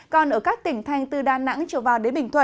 còn ở các tỉnh thành từ đà nẵng trở vào đến bình thuận